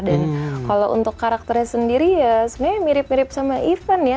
dan kalau untuk karakternya sendiri ya sebenarnya mirip mirip sama yvan ya